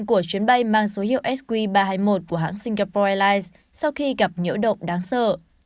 của chuyến bay mang số hiệu sq ba trăm hai mươi một của hãng singapore airlines sau khi gặp nhỡ động đáng sợ